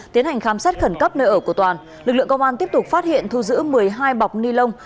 tiến hành khám xét khẩn cấp nơi ở của toàn lực lượng công an tiếp tục phát hiện thu giữ một mươi hai bọc ni lông